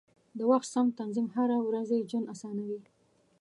د وخت سم تنظیم هره ورځي ژوند اسانوي.